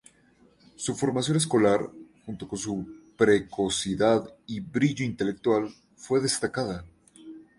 Su formación escolar, junto con su precocidad y brillo intelectual, fue destacada.